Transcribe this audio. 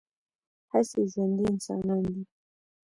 هسې ژوندي انسانان دي